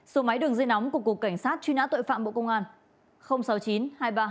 số máy đường dây nóng của cục cảnh sát truy nã tội phạm bộ công an